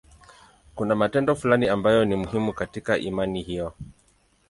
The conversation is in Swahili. Kuna matendo fulani ambayo ni muhimu katika imani hiyo.